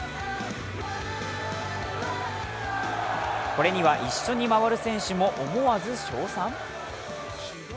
これには一緒に回る選手も思わず称賛？